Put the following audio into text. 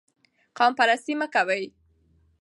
قوم پرستي مه کوئ.